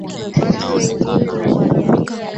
watu wengine na makabila ya Eurasia Watu wanaozungumza